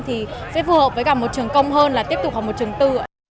thì sẽ phù hợp với cả một trường công hơn là tiếp tục học một trường tư ạ